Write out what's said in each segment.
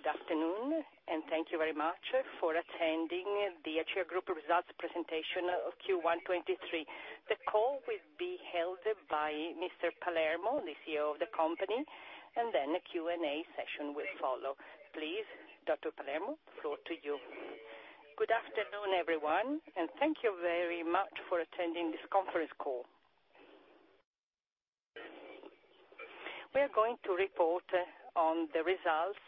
Good afternoon, thank you very much for attending the Acea Group results presentation of Q1 2023. The call will be held by Mr. Palermo, the CEO of the company, and then a Q&A session will follow. Please, Dr. Palermo, floor to you. Good afternoon, everyone, thank you very much for attending this conference call. We are going to report on the results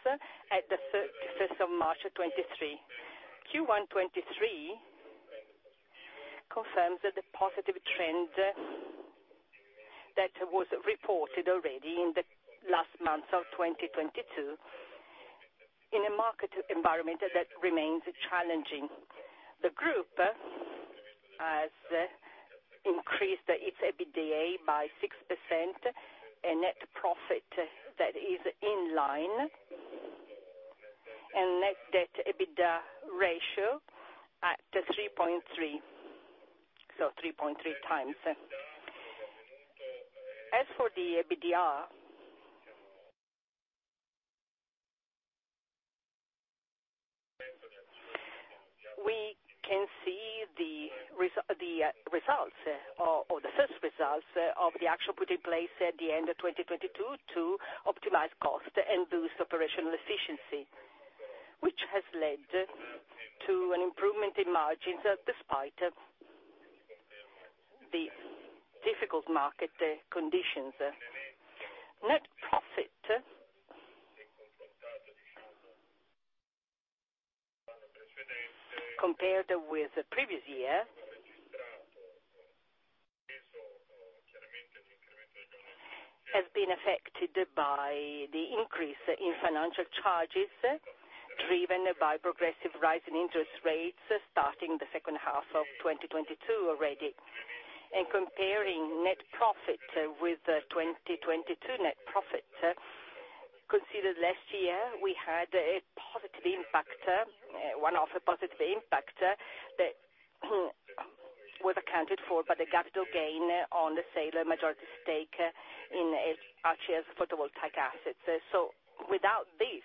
at the 31st of March 2023. Q1 2023 confirms the positive trend that was reported already in the last months of 2022 in a market environment that remains challenging. The group has increased its EBITDA by 6%, a net profit that is in line, and Net Debt/EBITDA ratio at 3.3, so 3.3x. As for the EBITDA, we can see the results or the first results of the action put in place at the end of 2022 to optimize cost and boost operational efficiency, which has led to an improvement in margins, despite the difficult market conditions. Net profit, compared with the previous year, has been affected by the increase in financial charges driven by progressive rise in interest rates starting the second half of 2022 already. In comparing net profit with the 2022 net profit, consider last year we had a positive impact, one of the positive impact, that was accounted for by the capital gain on the sale majority stake in Acea's photovoltaic assets. Without this,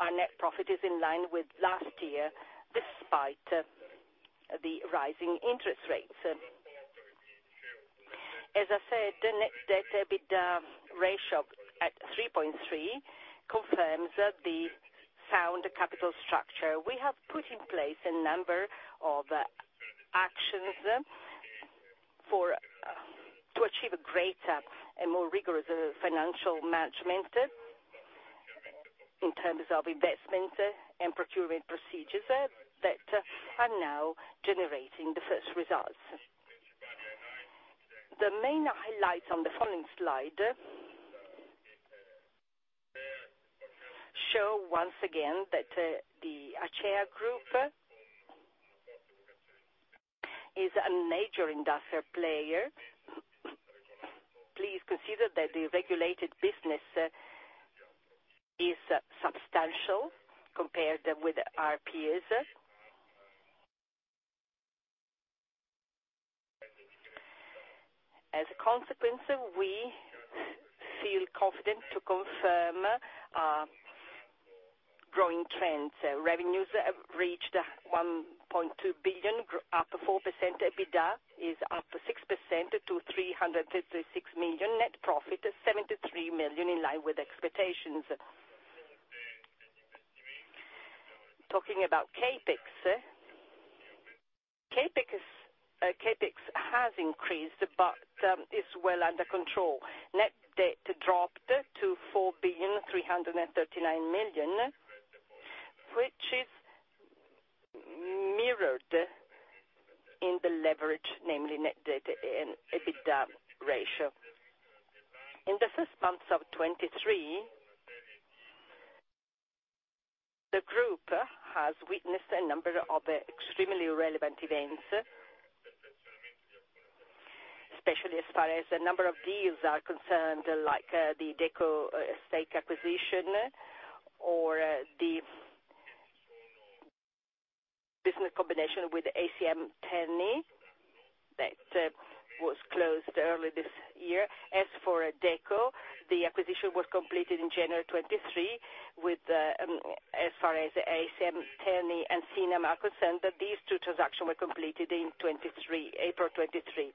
our net profit is in line with last year, despite the rising interest rates. As I said, the Net Debt/EBITDA ratio at 3.3 confirms the sound capital structure. We have put in place a number of actions to achieve a greater and more rigorous financial management in terms of investment and procurement procedures that are now generating the first results. The main highlights on the following slide show once again that the Acea Group is a major industrial player. Please consider that the regulated business is substantial compared with our peers. As a consequence, we feel confident to confirm growing trends. Revenues have reached 1.2 billion, up 4%. EBITDA is up 6% to 336 million. Net profit is 73 million, in line with expectations. Talking about CapEx. CapEx has increased but is well under control. Net debt dropped to 4.339 billion, which is mirrored in the leverage, namely Net Debt/EBITDA ratio. In the first months of 2023, the group has witnessed a number of extremely relevant events, especially as far as the number of deals are concerned, like the DECO stake acquisition or the business combination with ASM Terni that was closed early this year. As for DECO, the acquisition was completed in January 2023 with, as far as ASM Terni and SIMAM are concerned, these two transactions were completed in 2023, April 2023.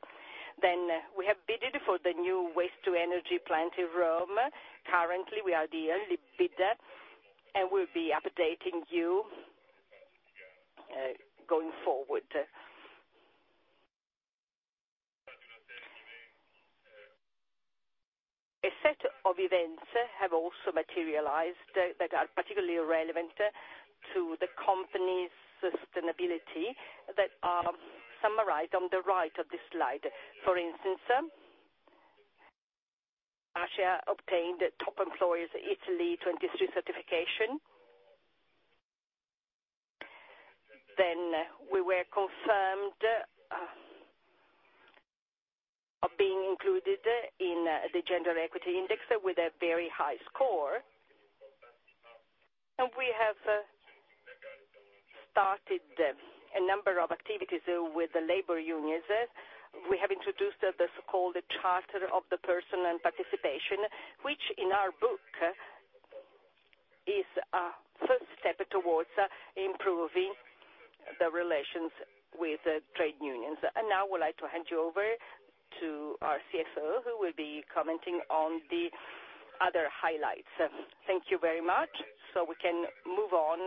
We have bidded for the new WTE plant in Rome. Currently, we are the only bidder, and we'll be updating you going forward. A set of events have also materialized that are particularly relevant to the company's sustainability that are summarized on the right of this slide. For instance, Acea obtained Top Employers Italy 23 certification. We were confirmed of being included in the Bloomberg Gender-Equality Index with a very high score. We have started a number of activities with the labor unions. We have introduced the so-called Charter of the Person and Participation, which, in our book, is a first step towards improving the relations with the trade unions. Now, I would like to hand you over to our CFO, who will be commenting on the other highlights. Thank you very much. We can move on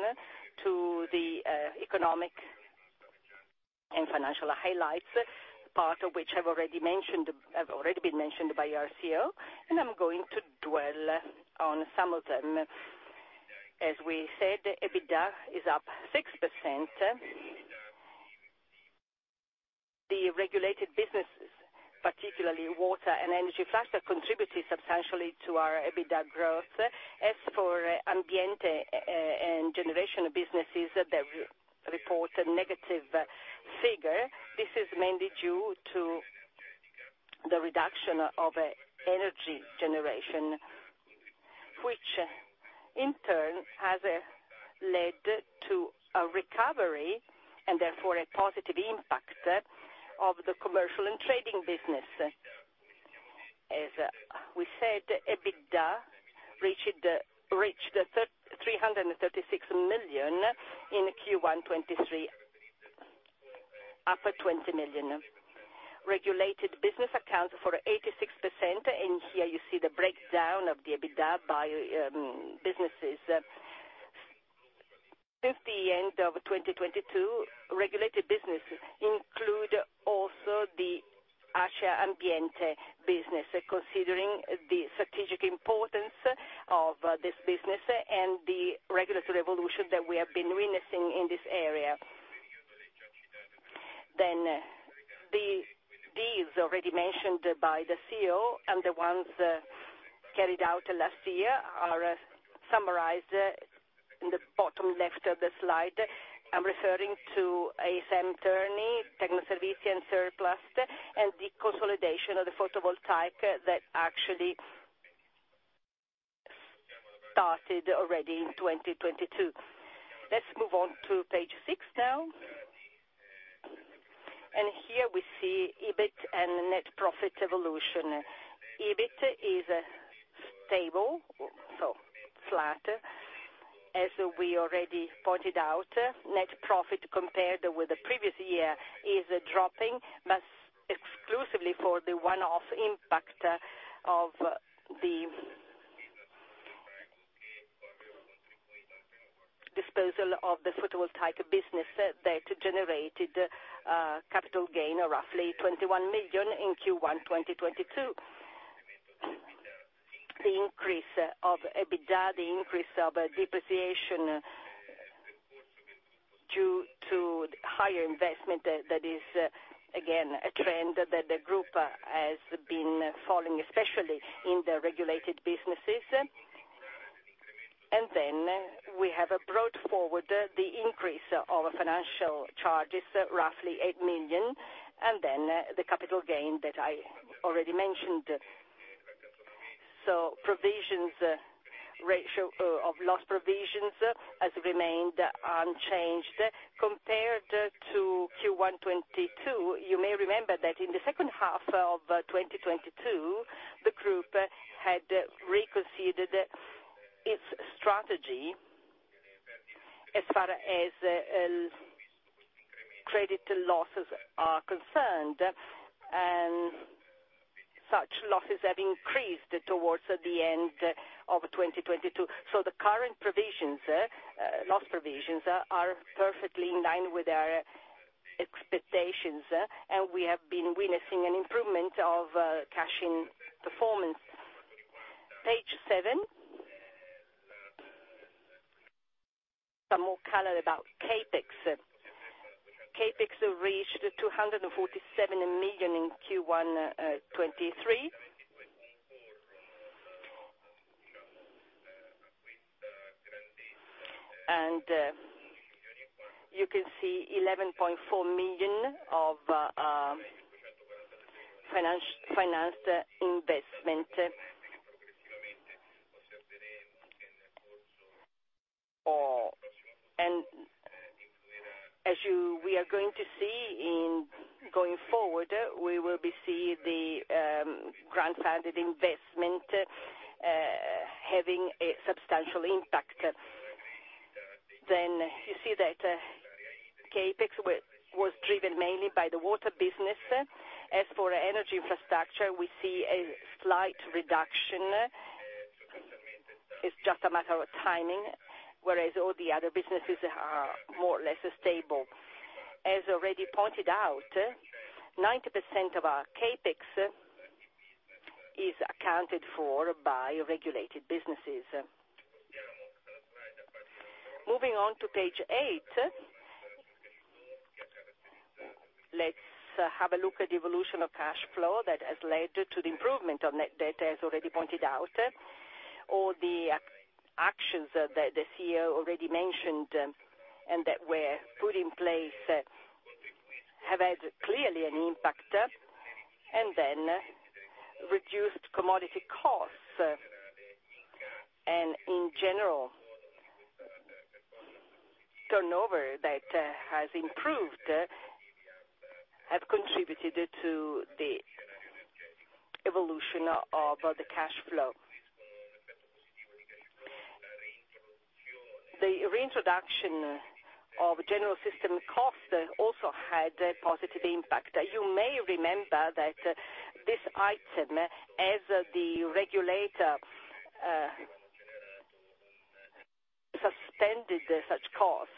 to the economic and financial highlights, part of which have already been mentioned by our CEO, and I'm going to dwell on some of them. As we said, EBITDA is up 6%. The regulated businesses, particularly water and energy sector, contributed substantially to our EBITDA growth. As for Ambiente and generation businesses, they report a negative figure. This is mainly due to the reduction of energy generation, which, in turn, has led to a recovery, and therefore, a positive impact of the commercial and trading business. As we said, EBITDA reached 336 million in Q1 2023, up by 20 million. Regulated business accounts for 86%, and here you see the breakdown of the EBITDA by businesses. Since the end of 2022, regulated business include also the Acea Ambiente business, considering the strategic importance of this business and the regulatory evolution that we have been witnessing in this area. The deals already mentioned by the CEO and the ones carried out last year are summarized in the bottom left of the slide. I'm referring to ASM Terni, Tecnoservizi, and S.E.R. Plast, and the consolidation of the photovoltaic that actually started already in 2022. Let's move on to page 6 now. Here, we see EBIT and net profit evolution. EBIT is stable, so flat. As we already pointed out, net profit compared with the previous year is dropping, but exclusively for the one-off impact of the disposal of the photovoltaic business that generated capital gain of roughly 21 million in Q1, 2022. The increase of EBITDA, the increase of depreciation due to higher investment, that is, again, a trend that the group has been following, especially in the regulated businesses. Then we have brought forward the increase of financial charges, roughly 8 million, and then the capital gain that I already mentioned. Provisions ratio of loss provisions has remained unchanged compared to Q1 2022. You may remember that in the second half of 2022, the group had reconsidered its strategy as far as credit losses are concerned, and such losses have increased towards the end of 2022. The current provisions, loss provisions, are perfectly in line with our expectations, and we have been witnessing an improvement of cash-in performance. Page 7. Some more color about CapEx. CapEx reached 247 million in Q1 2023. You can see 11.4 million of finance investment. As we are going to see going forward, we will see the grant funded investment having a substantial impact. You see that CapEx was driven mainly by the water business. As for energy infrastructure, we see a slight reduction. It's just a matter of timing, whereas all the other businesses are more or less stable. As already pointed out, 90% of our CapEx is accounted for by regulated businesses. Moving on to page 8. Let's have a look at the evolution of cash flow that has led to the improvement of net debt, as already pointed out. All the actions that the CEO already mentioned, that were put in place have had clearly an impact, reduced commodity costs. In general, turnover that has improved have contributed to the evolution of the cash flow. The reintroduction of general system cost also had a positive impact. You may remember that this item, as the regulator, suspended such cost,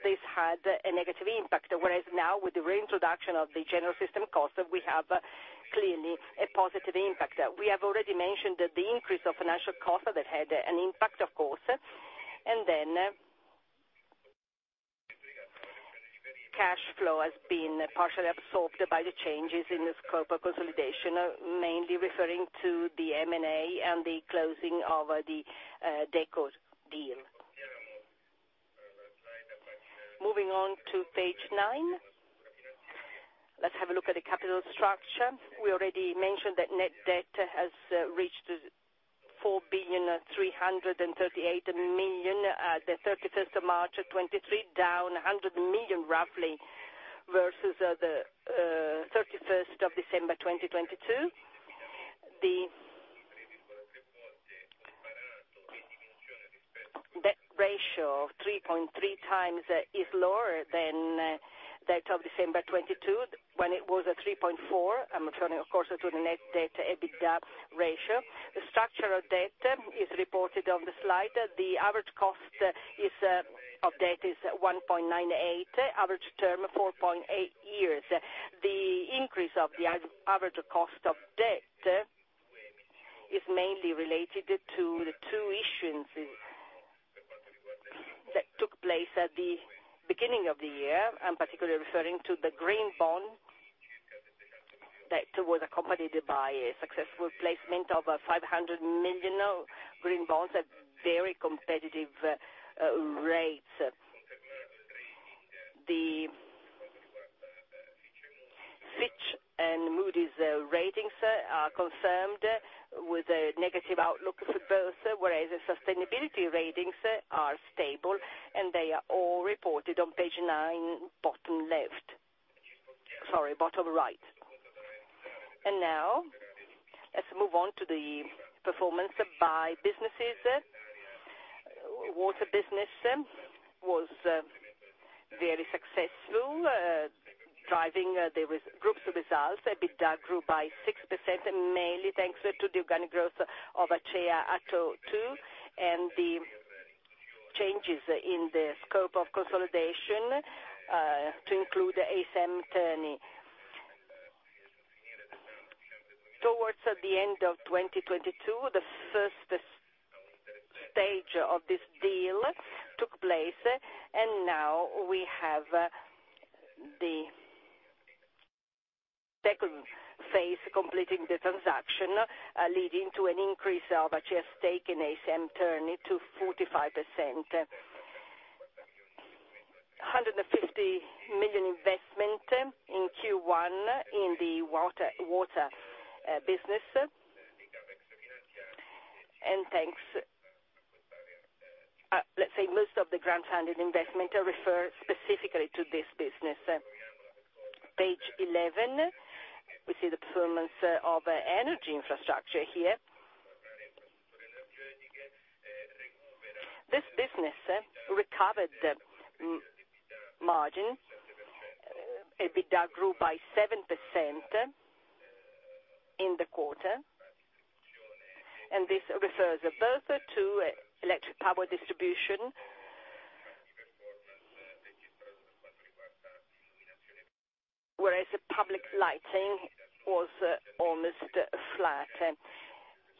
this had a negative impact. Whereas now with the reintroduction of the general system cost, we have clearly a positive impact. We have already mentioned that the increase of financial cost that had an impact, of course. Then, cash flow has been partially absorbed by the changes in the scope of consolidation, mainly referring to the M&A and the closing of the DECO deal. Moving on to page 9, let's have a look at the capital structure. We already mentioned that net debt has reached 4.338 billion at the 31st of March 2023, down 100 million, roughly, versus the 31st of December 2022. The debt ratio, 3.3x, is lower than that of December 2022, when it was at 3.4. I'm referring, of course, to the Net Debt/EBITDA ratio. The structure of debt is reported on the slide. The average cost of debt is 1.98%, average term, 4.8 years. The increase of the average cost of debt is mainly related to the two issuances that took place at the beginning of the year. I'm particularly referring to the Green Bond that was accompanied by a successful placement of 500 million Green Bonds at very competitive rates. The Fitch and Moody's ratings are confirmed with a negative outlook for both, whereas the sustainability ratings are stable, and they are all reported on page 9, bottom left. Sorry, bottom right. Now, let's move on to the performance by businesses. Water business was very successful, driving the group's results. EBITDA grew by 6%, mainly thanks to the organic growth of Acea Ato 2 and the changes in the scope of consolidation, to include ASM Terni. Towards the end of 2022, the first stage of this deal took place, and now we have the second phase completing the transaction, leading to an increase of Acea's stake in ASM Terni to 45%. 150 million investment in Q1 in the water business. Thanks, let's say most of the grants and investment refer specifically to this business. Page 11, we see the performance of energy infrastructure here. This business recovered the margin. EBITDA grew by 7% in the quarter. This refers both to electric power distribution, whereas public lighting was almost flat.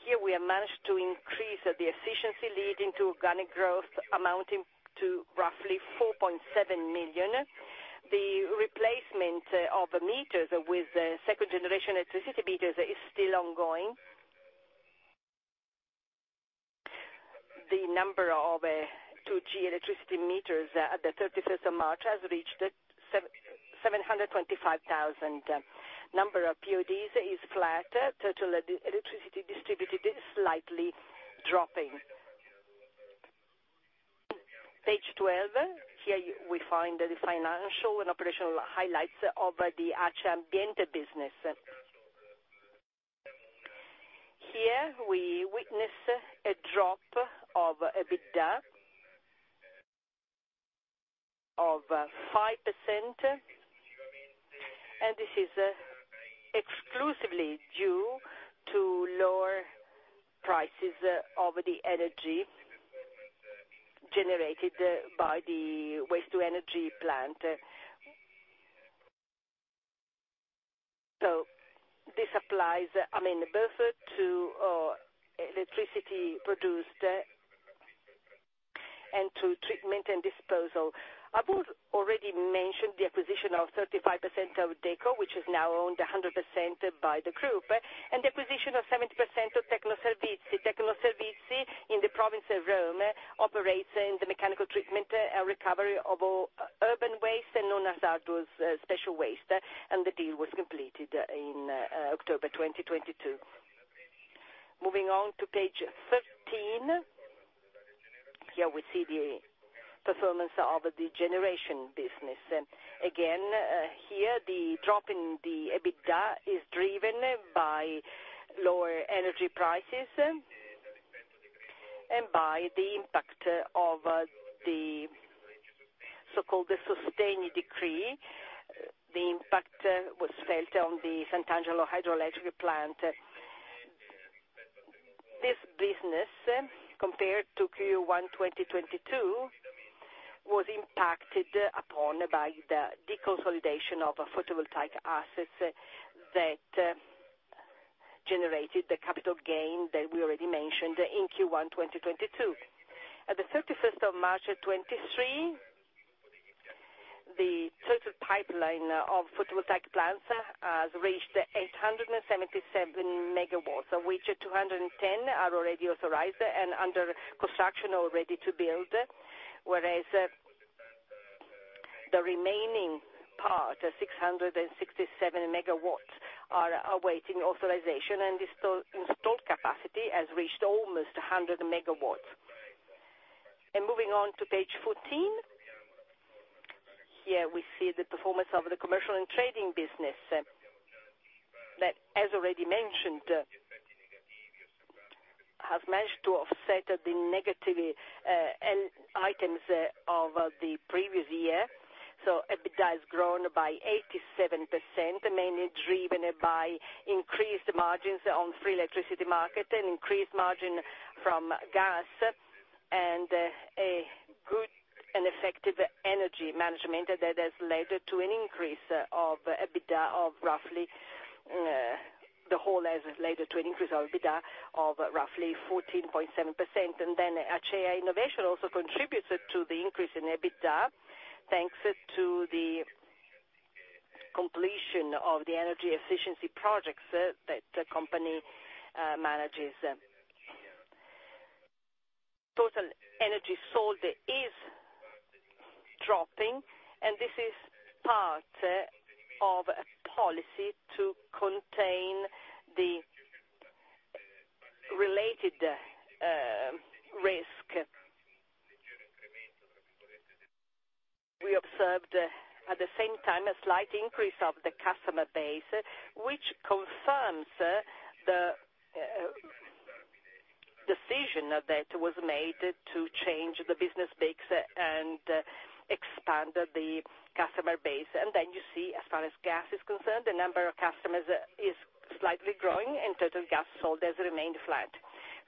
Here we have managed to increase the efficiency leading to organic growth amounting to roughly 4.7 million. The replacement of meters with second-generation electricity meters is still ongoing. The number of 2G electricity meters at the 31st of March has reached 725,000. Number of PODs is flat. Total electricity distributed is slightly dropping. Page 12. Here we find the financial and operational highlights of the Acea Ambiente business. Here we witness a drop of EBITDA of 5%. This is exclusively due to lower prices of the energy generated by the waste-to-energy plant. This applies, I mean, both to electricity produced and to treatment and disposal. Abu already mentioned the acquisition of 35% of DECO, which is now owned 100% by the group, and the acquisition of 70% of Tecnoservizi. Tecnoservizi, in the province of Rome, operates in the mechanical treatment and recovery of urban waste and non-hazardous special waste, and the deal was completed in October 2022. Moving on to page 13. Here we see the performance of the generation business. Again, here the drop in the EBITDA is driven by lower energy prices, and by the impact of the so-called the Sostegni Decree. The impact was felt on the Sant'Angelo hydroelectric plant. This business, compared to Q1 2022, was impacted upon by the deconsolidation of photovoltaic assets that generated the capital gain that we already mentioned in Q1 2022. At the 31st of March 2023, the total pipeline of photovoltaic plants has reached 877 megawatts, of which 210 are already authorized and under construction or ready to build. Whereas the remaining part, 667 megawatts, are awaiting authorization, and the installed capacity has reached almost 100 megawatts. Moving on to page 14. Here we see the performance of the commercial and trading business, that, as already mentioned, has managed to offset the negativity and items of the previous year. EBITDA has grown by 87%, mainly driven by increased margins on free electricity market, an increased margin from gas, and a good and effective energy management. The whole has led to an increase of EBITDA of roughly 14.7%. Acea Innovation also contributed to the increase in EBITDA, thanks to the completion of the energy efficiency projects that the company manages. Total energy sold is dropping, and this is part of a policy to contain the related risk. We observed, at the same time, a slight increase of the customer base, which confirms the decision that was made to change the business mix and expand the customer base. You see, as far as gas is concerned, the number of customers is slightly growing, and total gas sold has remained flat.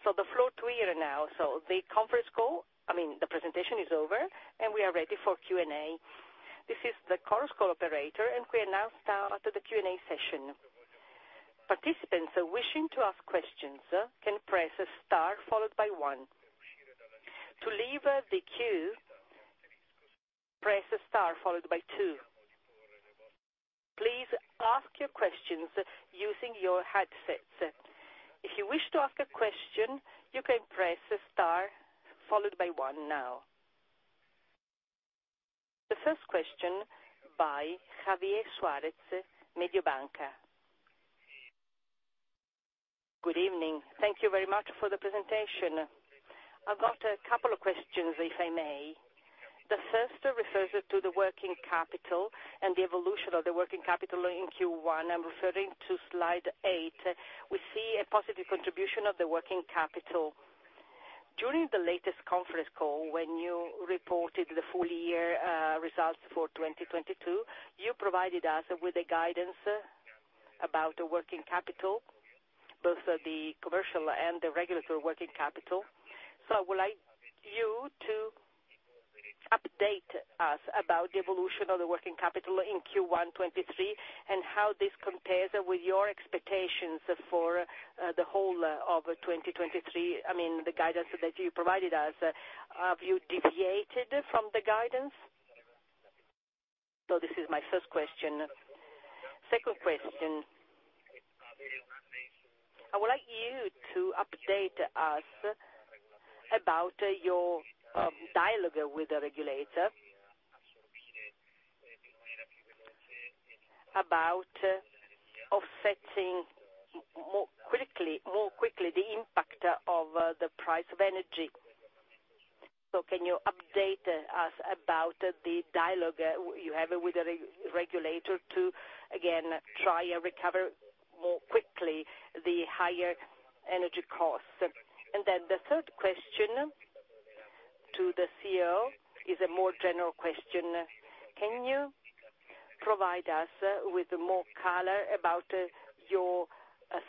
The floor to you now. The presentation is over, and we are ready for Q&A. This is the conference call operator, and we are now start to the Q&A session. Participants wishing to ask questions can press star followed by one. To leave the queue, press star followed by two. Please ask your questions using your headsets. If you wish to ask a question, you can press star followed by one now. The first question by Javier Suarez, Mediobanca. Good evening. Thank you very much for the presentation. I've got a couple of questions, if I may. The first refers to the working capital and the evolution of the working capital in Q1. I'm referring to slide 8. We see a positive contribution of the working capital. During the latest conference call, when you reported the full year results for 2022, you provided us with a guidance about the working capital, both the commercial and the regulatory working capital. I would like you to update us about the evolution of the working capital in Q1 2023, and how this compares with your expectations for the whole of 2023. I mean, the guidance that you provided us. Have you deviated from the guidance? This is my first question. Second question. I would like you to update us about your dialogue with the regulator about offsetting more quickly the impact of the price of energy. Can you update us about the dialogue you have with the regulator to, again, try and recover more quickly the higher energy costs? The third question to the CEO is a more general question. Can you provide us with more color about your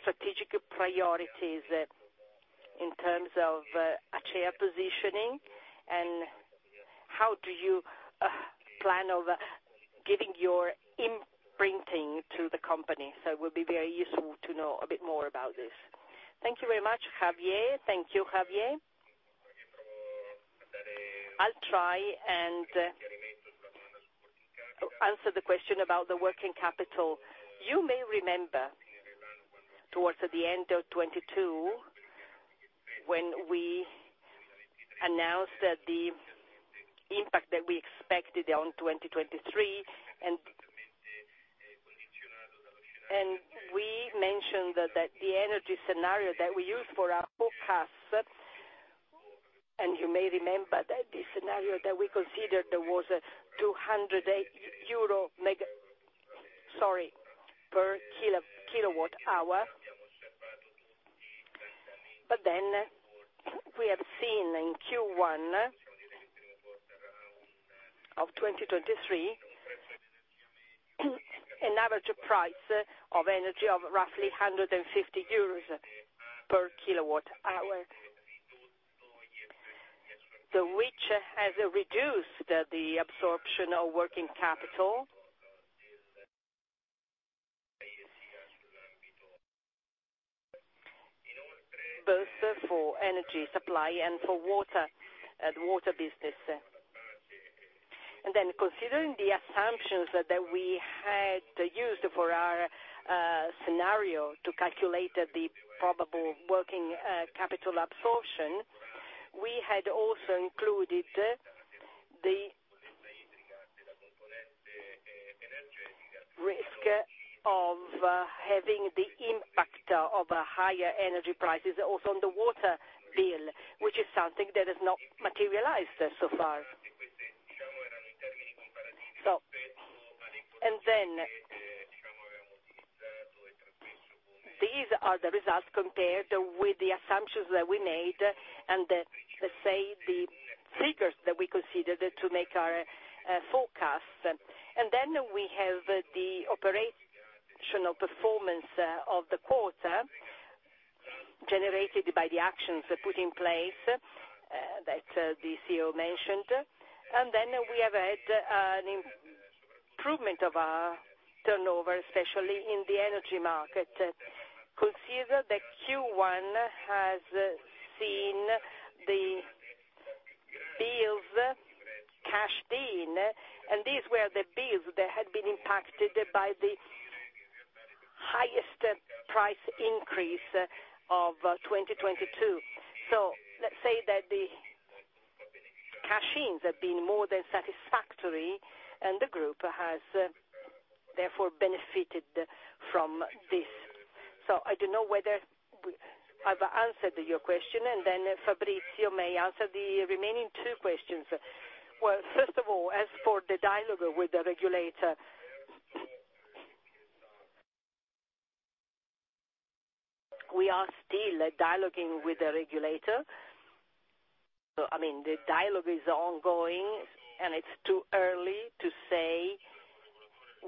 strategic priorities in terms of Acea positioning? How do you plan of giving your imprinting to the company? It would be very useful to know a bit more about this. Thank you very much, Javier. Thank you, Javier. I'll try and answer the question about the working capital. You may remember towards the end of 2022, when we announced that the impact that we expected on 2023, we mentioned that the energy scenario that we use for our forecasts, and you may remember that the scenario that we considered there was a 200 euro per kilowatt hour. We have seen in Q1 of 2023, an average price of energy of roughly 150 euros per kilowatt hour. Which has reduced the absorption of working capital. Both for energy supply and for water, the water business. Considering the assumptions that we had used for our scenario to calculate the probable working capital absorption, we had also included the risk of having the impact of higher energy prices also on the water bill, which is something that has not materialized so far. These are the results compared with the assumptions that we made and, say the triggers that we considered to make our forecast. We have the operational performance of the quarter generated by the actions put in place that the CEO mentioned. We have had an improvement of our turnover, especially in the energy market. Consider that Q1 has seen the bills cashed in, and these were the bills that had been impacted by the highest price increase of 2022. Let's say that the cash ins have been more than satisfactory, and the Group has therefore benefited from this. I don't know whether I've answered your question, and then Fabrizio may answer the remaining two questions. Well, first of all, as for the dialogue with the regulator, we are still dialoguing with the regulator. I mean, the dialogue is ongoing, and it's too early to say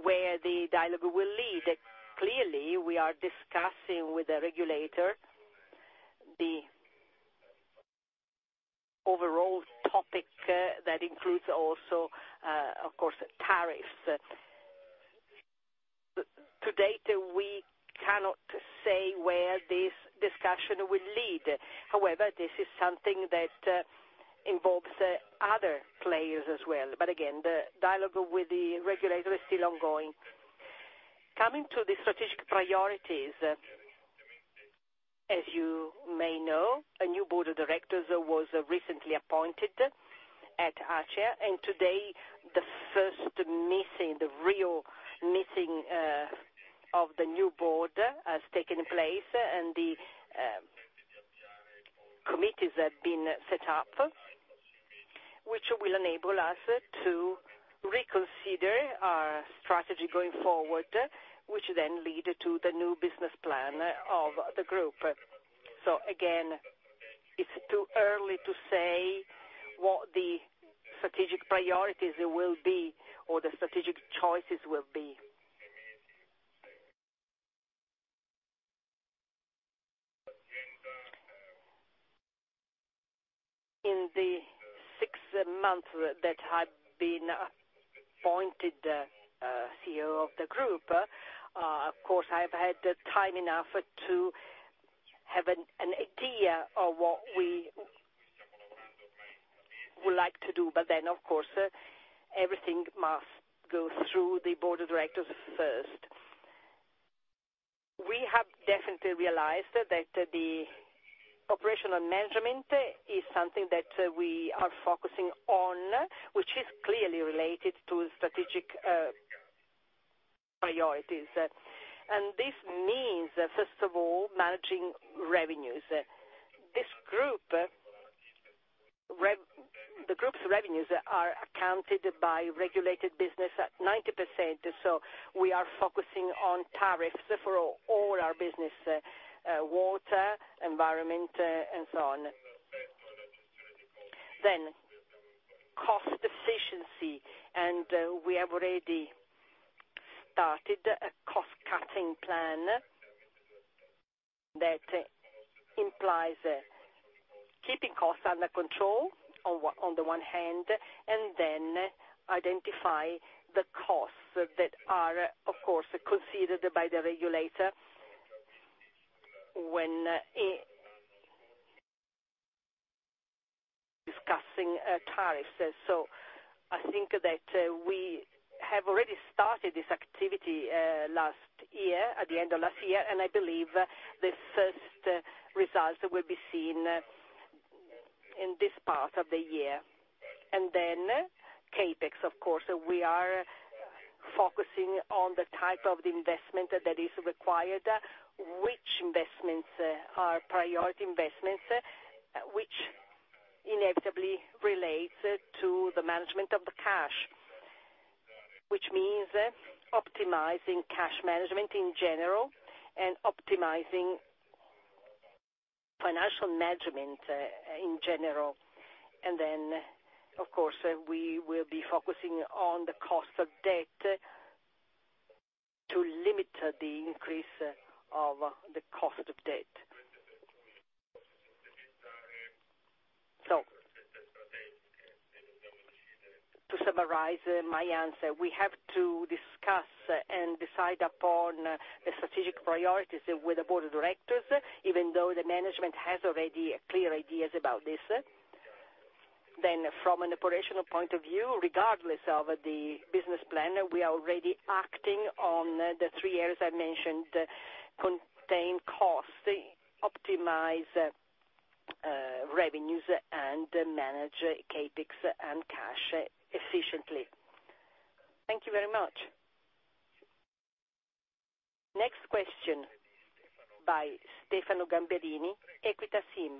where the dialogue will lead. Clearly, we are discussing with the regulator the overall topic, that includes also, of course, tariffs. To date, we cannot say where this discussion will lead. However, this is something that involves other players as well. Again, the dialogue with the regulator is still ongoing. Coming to the strategic priorities, as you may know, a new board of directors was recently appointed at Acea, and today, the first meeting, the real meeting, of the new board has taken place, and the committees have been set up, which will enable us to reconsider our strategy going forward, which then lead to the new business plan of the group. Again, it's too early to say what the strategic priorities will be or the strategic choices will be. In the six months that I've been appointed, CEO of the group, of course, I've had time enough to have an idea of what we would like to do, of course, everything must go through the board of directors first. We have definitely realized that the operational management is something that we are focusing on, which is clearly related to strategic priorities. This means, first of all, managing revenues. The group's revenues are accounted by regulated business at 90%, so we are focusing on tariffs for all our business, water, environment, and so on. Cost efficiency, and we have already started a cost-cutting plan that implies keeping costs under control on the one hand, and then identify the costs that are, of course, considered by the regulator when discussing tariffs. I think that we have already started this activity last year, at the end of last year, and I believe the first results will be seen in this part of the year. CapEx, of course, we are focusing on the type of investment that is required, which investments are priority investments, which inevitably relates to the management of the cash, which means optimizing cash management in general and optimizing financial management in general. Of course, we will be focusing on the cost of debt to limit the increase of the cost of debt. To summarize my answer, we have to discuss and decide upon the strategic priorities with the board of directors, even though the management has already clear ideas about this. From an operational point of view, regardless of the business plan, we are already acting on the three areas I mentioned, contain costs, optimize revenues and manage CapEx and cash efficiently. Thank you very much. Next question by Stefano Gamberini, Equita SIM.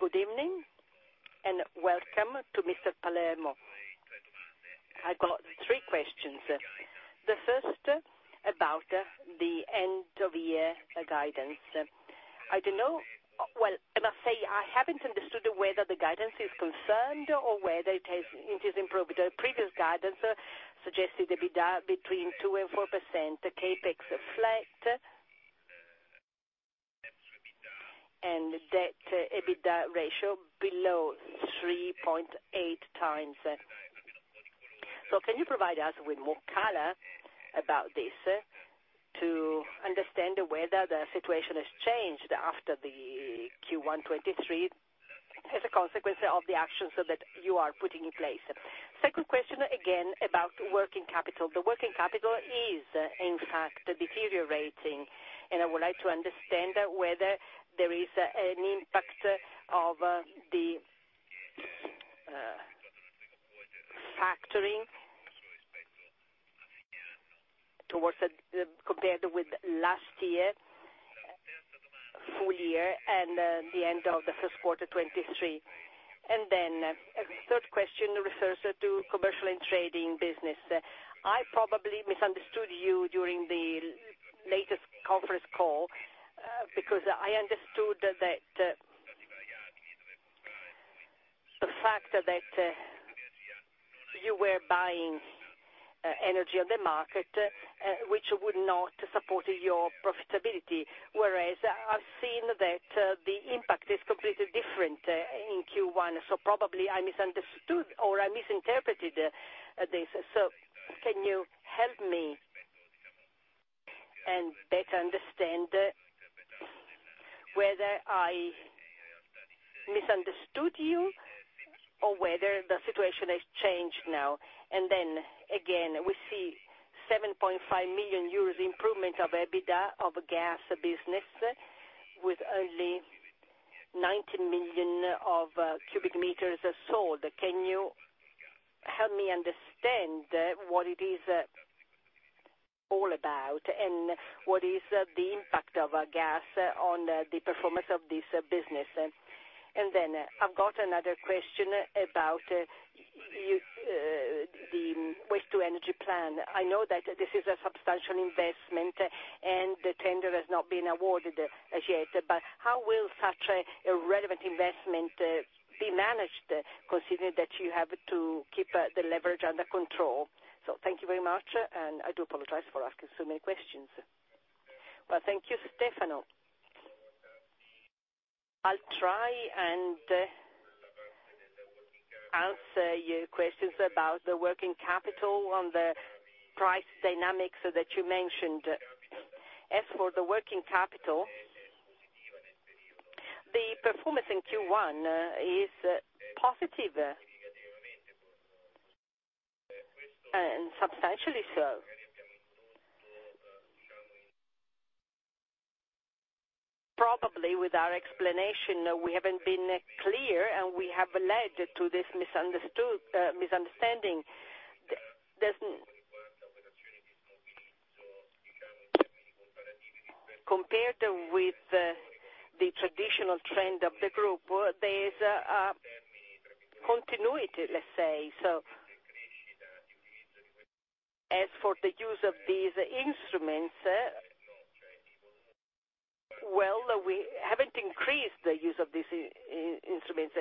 Good evening and welcome to Mr. Palermo. I've got three questions. The first about the end of year guidance. Well, I must say I haven't understood whether the guidance is concerned or whether it has, it is improved. Previous guidance suggested EBITDA between 2%-4%, the CapEx flat, and debt EBITDA ratio below 3.8x. Can you provide us with more color about this to understand whether the situation has changed after the Q1 2023 as a consequence of the actions that you are putting in place? Second question, again about working capital. The working capital is in fact deteriorating, and I would like to understand whether there is an impact of the factoring compared with last year, full year, and the end of the first quarter 2023. Third question refers to commercial and trading business. I probably misunderstood you during the latest conference call, because I understood that, the fact that you were buying energy on the market, which would not support your profitability, whereas I've seen that the impact is completely different in Q1. Probably I misunderstood or I misinterpreted this. Can you help me and better understand whether I misunderstood you or whether the situation has changed now? Again, we see 7.5 million euros improvement of EBITDA of gas business with only 90 million cubic meters sold. Can you help me understand what it is all about and what is the impact of our gas on the performance of this business? I've got another question about the waste to energy plan. I know that this is a substantial investment and the tender has not been awarded as yet, how will such a relevant investment be managed considering that you have to keep the leverage under control? Thank you very much, and I do apologize for asking so many questions. Thank you, Stefano. I'll try and answer your questions about the working capital on the price dynamics that you mentioned. The working capital, the performance in Q1 is positive, and substantially so. Probably with our explanation, we haven't been clear, and we have led to this misunderstood misunderstanding. Compared with the traditional trend of the group, there's a continuity, let's say. The use of these instruments, well, we haven't increased the use of these instruments.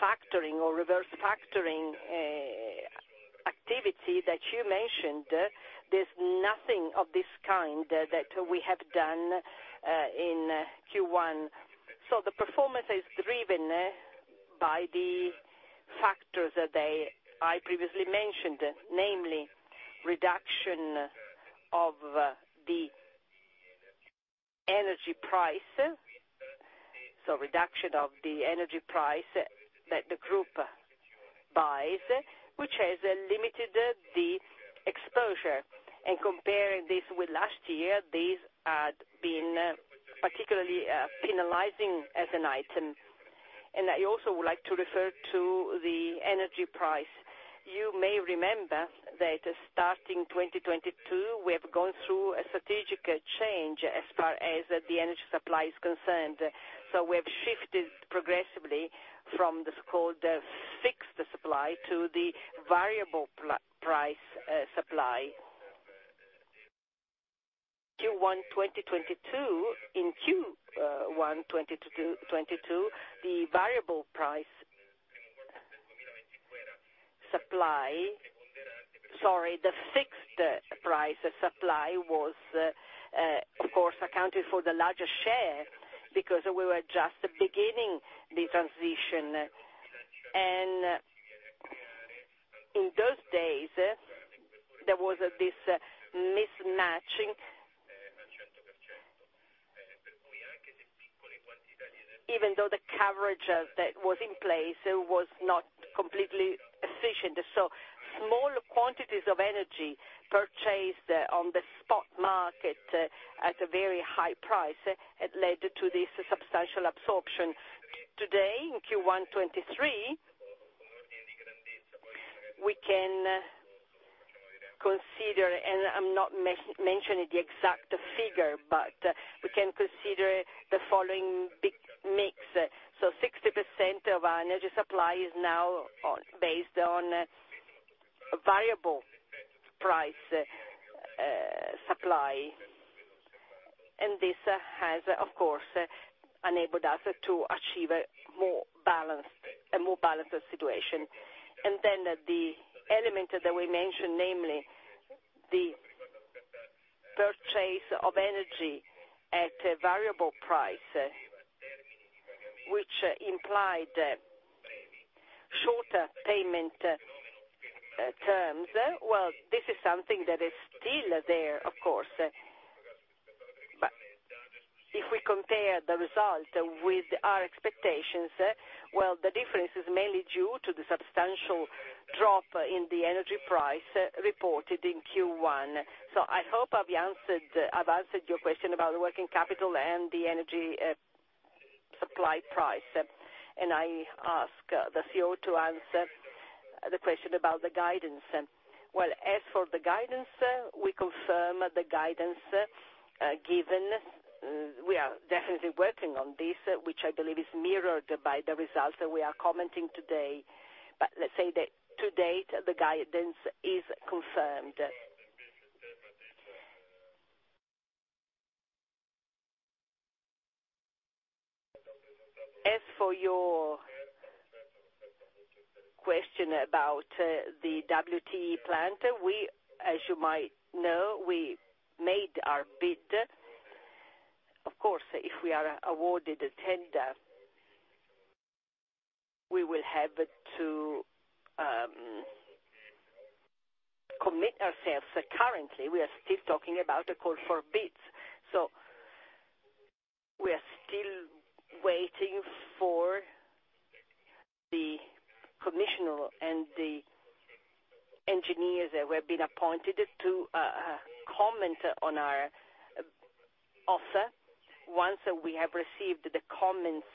Factoring or reverse factoring activity that you mentioned, there's nothing of this kind that we have done in Q1. The performance is driven by the factors that I previously mentioned, namely reduction of the energy price. Reduction of the energy price that the group buys, which has limited the exposure. Comparing this with last year, these had been particularly penalizing as an item. I also would like to refer to the energy price. You may remember that starting 2022, we have gone through a strategic change as far as the energy supply is concerned. We have shifted progressively from the so-called fixed supply to the variable price supply. Q1 2022, the fixed price supply was of course accounted for the largest share because we were just beginning the transition. In those days, there was this mismatching. Even though the coverage that was in place was not completely efficient. Small quantities of energy purchased on the spot market at a very high price had led to this substantial absorption. Today, in Q1 2023, we can consider, and I'm not mentioning the exact figure, but we can consider the following big mix. Sixty percent of our energy supply is now on, based on variable price supply. This has, of course, enabled us to achieve a more balanced situation. The element that we mentioned, namely the purchase of energy at a variable price, which implied shorter payment terms, well, this is something that is still there, of course. If we compare the result with our expectations, well, the difference is mainly due to the substantial drop in the energy price reported in Q1. I hope I've answered your question about the working capital and the energy supply price. I ask the CEO to answer the question about the guidance. As for the guidance, we confirm the guidance given. We are definitely working on this, which I believe is mirrored by the results that we are commenting today. Let's say that to date, the guidance is confirmed. As for your question about the WTE plant, we, as you might know, we made our bid. Of course, if we are awarded a tender, we will have to commit ourselves. Currently, we are still talking about a call for bids. We are still waiting for the commissioner and the engineers that were being appointed to comment on our offer. Once we have received the comments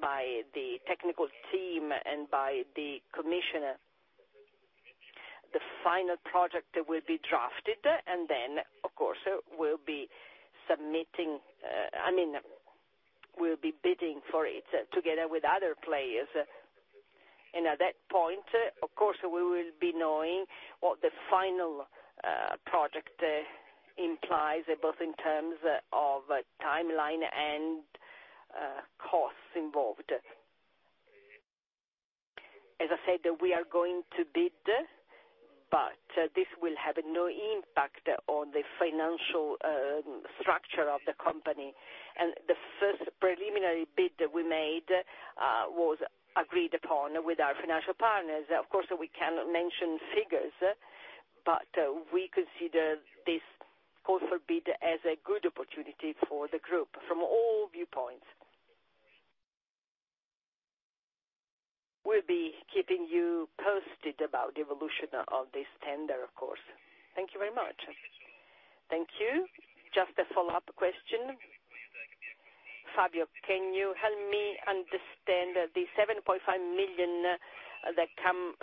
by the technical team and by the commissioner, the final project will be drafted, of course, we'll be submitting, I mean, we'll be bidding for it together with other players. At that point, of course, we will be knowing what the final project implies, both in terms of timeline and costs involved. As I said, we are going to bid, but this will have no impact on the financial structure of the company. The first preliminary bid that we made was agreed upon with our financial partners. Of course, we cannot mention figures, but we consider this call for bid as a good opportunity for the group from all viewpoints. We'll be keeping you posted about the evolution of this tender, of course. Thank you very much. Thank you. Just a follow-up question. Fabio, can you help me understand the 7.5 million that come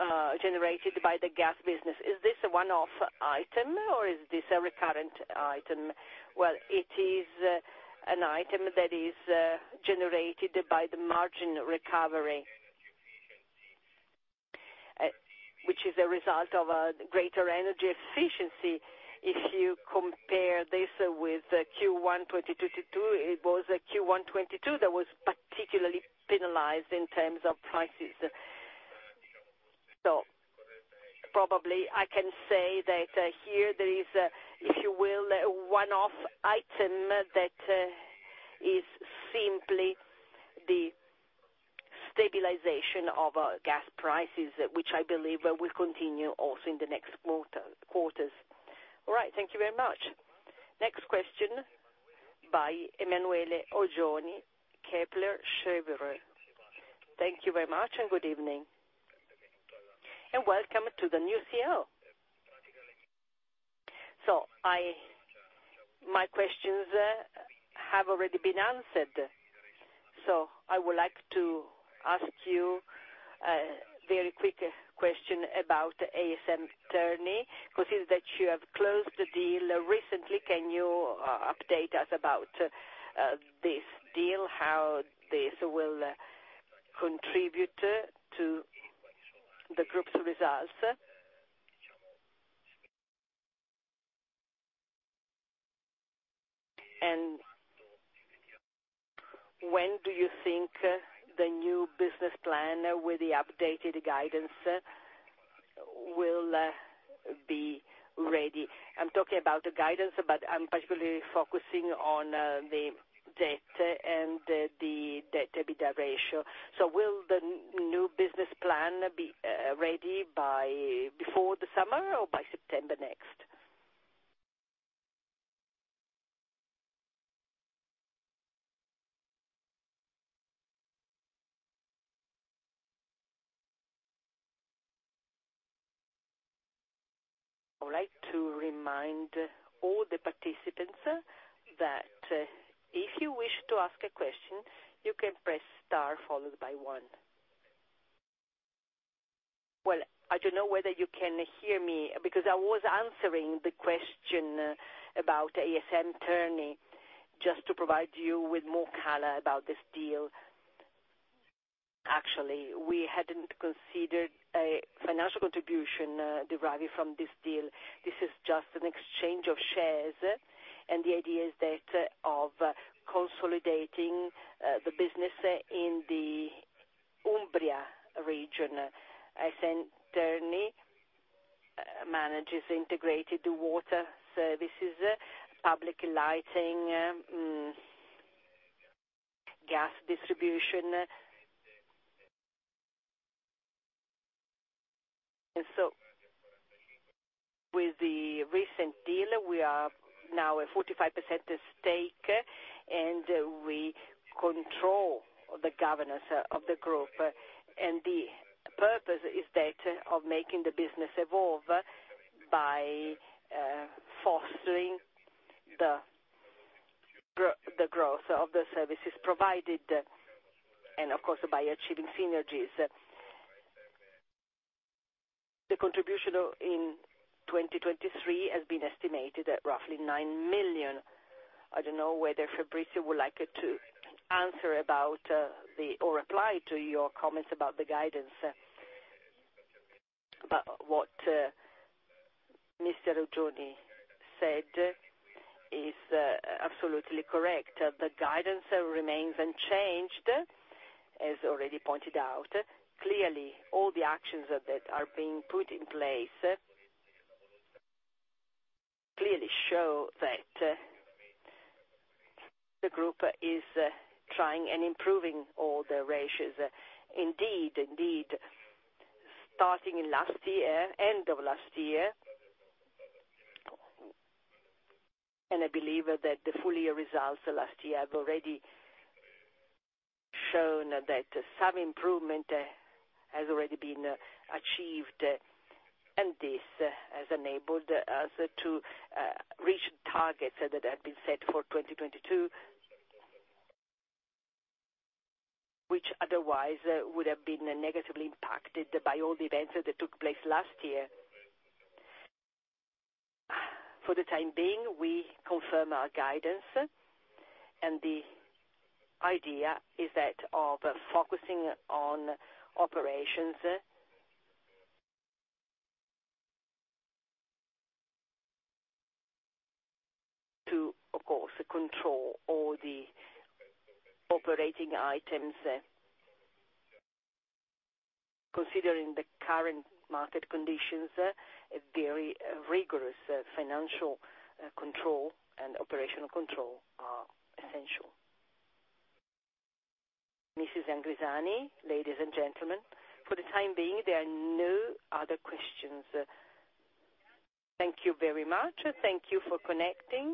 generated by the gas business? Is this a one-off item, or is this a recurrent item? Well, it is an item that is generated by the margin recovery, which is a result of a greater energy efficiency. If you compare this with Q1 2022, it was Q1 2022 that was particularly penalized in terms of prices. Probably I can say that here there is a, if you will, a one-off item that is simply the stabilization of gas prices, which I believe will continue also in the next quarters. All right. Thank you very much. Next question. By Emanuele Oggioni, Kepler Cheuvreux. Thank you very much and good evening, and welcome to the new CEO. My questions have already been answered. I would like to ask you a very quick question about ASM Terni, considering that you have closed the deal recently. Can you update us about this deal, how this will contribute to the group's results? When do you think the new business plan with the updated guidance will be ready? I'm talking about the guidance, but I'm particularly focusing on the debt and the debt-EBITDA ratio. Will the new business plan be ready by before the summer or by September next? I would like to remind all the participants that if you wish to ask a question, you can press star followed by one. I don't know whether you can hear me, because I was answering the question about ASM Terni. Just to provide you with more color about this deal. We hadn't considered a financial contribution deriving from this deal. This is just an exchange of shares. The idea is that of consolidating the business in the Umbria region. ASM Terni manages integrated water services, public lighting, gas distribution. With the recent deal, we are now a 45% stake, and we control the governance of the group. The purpose is that of making the business evolve by fostering the growth of the services provided, and of course, by achieving synergies. The contribution in 2023 has been estimated at roughly 9 million. I don't know whether Fabrizio would like to answer about or reply to your comments about the guidance. What Mr. Ogioni said is absolutely correct. The guidance remains unchanged, as already pointed out. Clearly, all the actions that are being put in place clearly show that the group is trying and improving all the ratios. Indeed, starting in last year, end of last year, I believe that the full year results last year have already shown that some improvement has already been achieved, and this has enabled us to reach targets that have been set for 2022, which otherwise would have been negatively impacted by all the events that took place last year. For the time being, we confirm our guidance, the idea is that of focusing on operations to, of course, control all the operating items. Considering the current market conditions, a very rigorous financial control and operational control are essential. Mrs. Angrisani, ladies and gentlemen, for the time being, there are no other questions. Thank you very much. Thank you for connecting.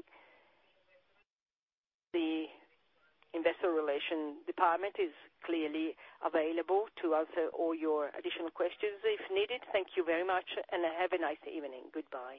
The Investor Relations department is clearly available to answer all your additional questions if needed. Thank you very much, and have a nice evening. Goodbye.